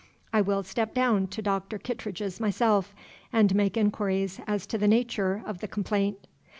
I will step down to Doctor Kittredge's myself, and make inquiries as to the natur' of the complaint."